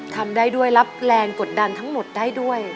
ทำได้ด้วยรับแรงกดดันทั้งหมดได้ด้วย